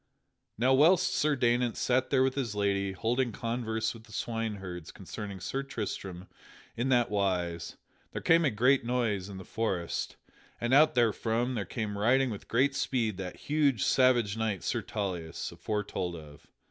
Now whilst Sir Daynant sat there with his lady, holding converse with the swineherds concerning Sir Tristram in that wise, there came a great noise in the forest, and out therefrom there came riding with great speed that huge savage knight Sir Tauleas aforetold of.